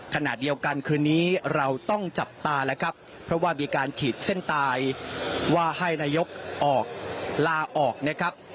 ขณะเดียวกันคืนนี้เราต้องจับตาแล้วครับเพราะว่ามีการขีดเส้นตายว่าให้นายกออกลาออกนะครับ